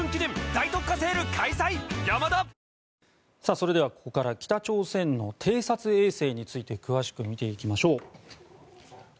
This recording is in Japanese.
それではここから北朝鮮の偵察衛星について詳しく見ていきましょう。